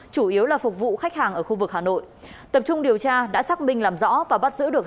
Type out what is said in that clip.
chủ yếu là phục vụ khách hàng ở khu vực hà nội tập trung điều tra đã xác minh làm rõ và bắt giữ được